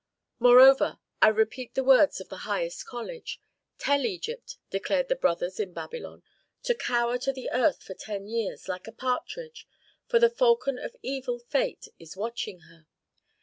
"Moreover, I repeat the words of the highest college: 'Tell Egypt,' declared the brothers in Babylon, 'to cower to the earth for ten years, like a partridge, for the falcon of evil fate is watching her.